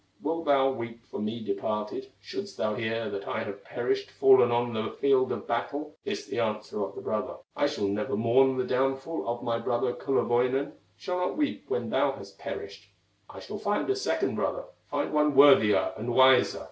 Wilt thou weep for me departed, Shouldst thou hear that I have perished, Fallen on the field of battle?" This the answer of the brother: "I shall never mourn the downfall Of my brother, Kullerwoinen, Shall not weep when thou hast perished; I shall find a second brother, Find one worthier and wiser!"